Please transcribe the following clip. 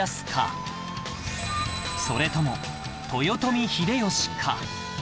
それとも豊臣秀吉か？